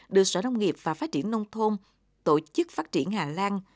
được sở nông nghiệp và phát triển nông thôn tổ chức phát triển hà lan